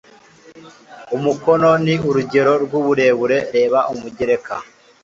umukono ni urugero rw uburebure reba umugereka